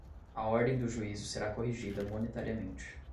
à ordem do juízo será corrigida monetariamente